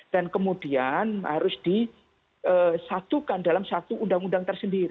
dan kemudian harus disatukan dalam satu undang undang